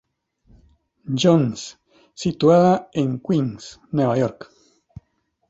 John's, situada en Queens, Nueva York.